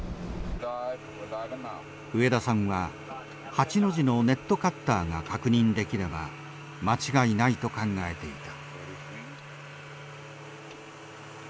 植田さんは８の字のネットカッターが確認できれば間違いないと考えていた。